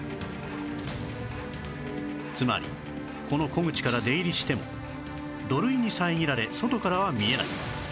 つまりこの虎口から出入りしても土塁に遮られ外からは見えない